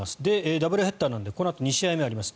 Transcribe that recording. ダブルヘッダーなのでこのあと２試合目があります。